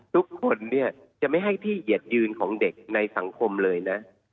ทุกคนเนี่ยจะไม่ให้ที่เหยียดยืนของเด็กในสังคมเลยนะ